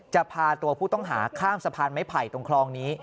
จะพาตัวผู้ต้องหาข้ามสะพานไม้ไผ่ตรงคลองนี้